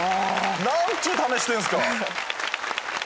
何ちゅうためしてんすか。